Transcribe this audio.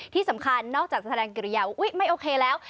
ที่สำคัญนอกจากแสดงกิริยาวอุ๊ยไม่โอเคแล้ว